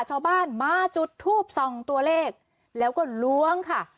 ชาวบ้านมาจุดทูปส่องตัวเลขแล้วก็ล้วงค่ะ